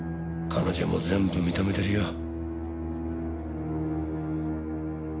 彼女も全部認めてるよ。